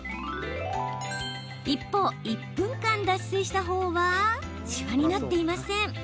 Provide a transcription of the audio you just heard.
一方、１分間、脱水したほうはシワになっていません。